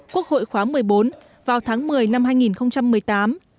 quốc hội khóa một mươi bốn vào tháng một mươi năm hai nghìn một mươi tám